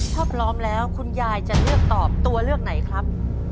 ถ้าพร้อมแล้วคุณยายจะเลือกตอบตัวเลือกไหนครับ